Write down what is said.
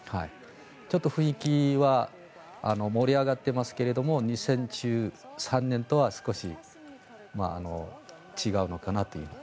ちょっと雰囲気は盛り上がっていますが２０１３年とは少し違うのかなという。